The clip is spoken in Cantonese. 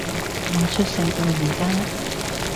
我出世到而家